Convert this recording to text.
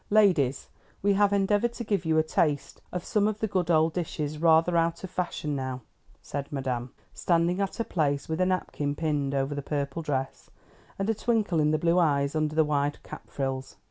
"Ladies, we have endeavored to give you a taste of some of the good old dishes rather out of fashion now," said Madam, standing at her place, with a napkin pinned over the purple dress, and a twinkle in the blue eyes under the wide cap frills.